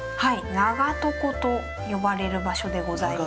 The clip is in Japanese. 「長床」と呼ばれる場所でございます。